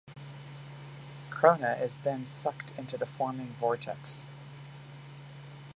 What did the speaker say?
Krona is then sucked into the forming vortex.